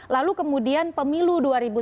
lalu kemudian pemilu dua ribu sembilan belas